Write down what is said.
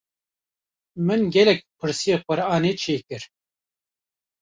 min gelek kursîyê Qur’anê çê kir.